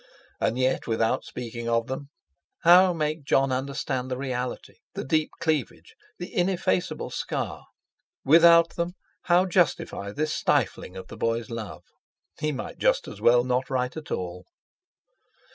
And yet without speaking of them how make Jon understand the reality, the deep cleavage, the ineffaceable scar? Without them, how justify this stiffing of the boy's love? He might just as well not write at all!